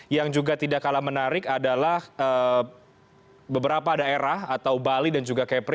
yang juga tidak kalah menarik adalah beberapa daerah atau bali dan juga kepri